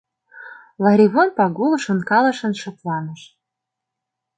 Ларивон Пагул шонкалышын шыпланыш.